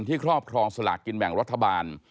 ครอบครองสลากกินแบ่งรัฐบาล